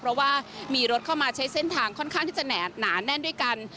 เพราะว่ามีรถเข้ามาใช้เส้นทางค่อนข้างที่จะหนาแน่นด้วยกัน